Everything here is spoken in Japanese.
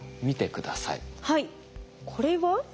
これは？